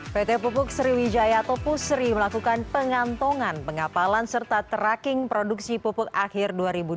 pt pupuk sriwijaya atau pusri melakukan pengantongan pengapalan serta tracking produksi pupuk akhir dua ribu dua puluh